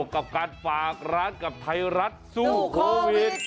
กับการฝากร้านกับไทยรัฐสู้โควิด